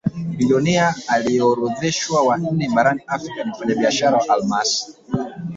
Bilionea aliyeorodheshwa wa nne barani Afrika ni mfanyabiashara wa almasi